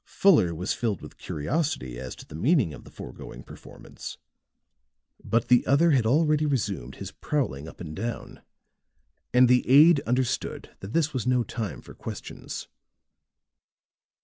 Fuller was filled with curiosity as to the meaning of the foregoing performance, but the other had already resumed his prowling up and down, and the aide understood that this was no time for questions.